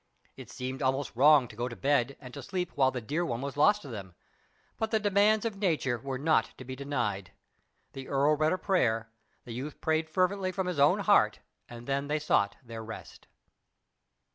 It seemed almost wrong to go to bed and to sleep while the dear one was lost to them, but the demands of nature were not to be denied. The earl read a prayer, the youth prayed fervently from his own heart, and then they sought their rest.